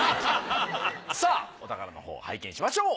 さぁお宝のほう拝見しましょう。